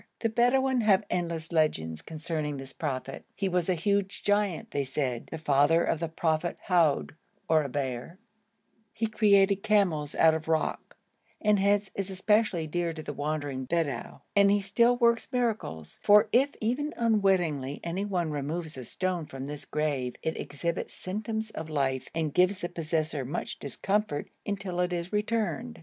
The Bedouin have endless legends concerning this prophet. He was a huge giant, they said, the father of the prophet Houd, or Eber; he created camels out of the rock, and hence is especially dear to the wandering Bedou; and he still works miracles, for if even unwittingly anyone removes a stone from this grave, it exhibits symptoms of life, and gives the possessor much discomfort until it is returned.